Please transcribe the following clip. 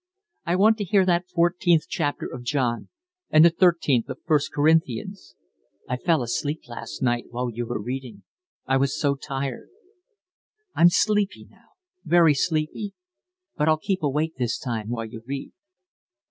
I want to hear that fourteenth chapter of John and the thirteenth of First Corinthians. I fell asleep last night while you were reading, I was so tired. I'm sleepy now, very sleepy; but I'll keep awake this time while you read."